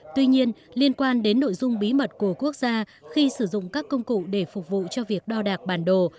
tuy nhiên liên quan đến nội dung bí mật của quốc gia khi sử dụng các công cụ để phục vụ cho việc đo đạc bản đồ